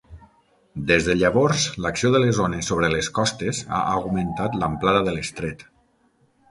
Des de llavors l'acció de les ones sobre les costes ha augmentat l'amplada de l'estret.